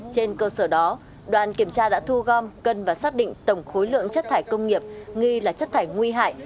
trên cơ sở đó đoàn kiểm tra đã thu gom cân và xác định tổng khối lượng chất thải công nghiệp nghi là chất thải nguy hại